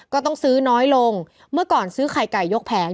ก็ต้องซื้อน้อยลงเมื่อก่อนซื้อไข่ไก่ยกแผง